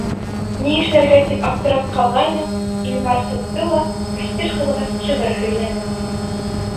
Ни эшләргә тип аптырап ҡалғайныҡ, Илмар тотто ла кассир ҡыҙға шиғыр һөйләне.